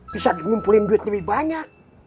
bisa ngumpulin duit lebih banyak